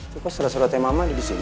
kok salah salah teman teman disini